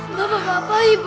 kamu nggak bisa berubah di situ